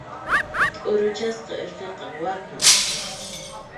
T'uruchasqa irqiqa waqan.